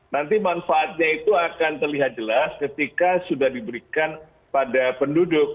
nanti manfaatnya itu akan terlihat jelas ketika sudah diberikan pada penduduk